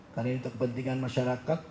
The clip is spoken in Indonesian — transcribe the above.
karena ini kepentingan masyarakat